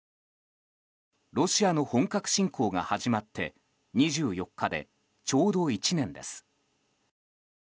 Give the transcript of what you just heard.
ロシアの本格侵攻が始まって２４日でちょうど１年です。